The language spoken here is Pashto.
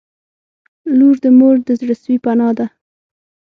• لور د مور د زړسوي پناه ده.